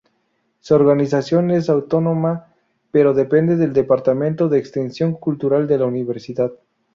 Su organización es autónoma, pero depende del Departamento de Extensión Cultural de la universidad.